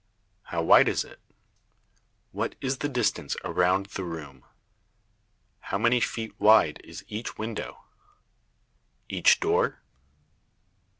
How wide is it? What is the distance around the room? How many feet wide is each window? Each door?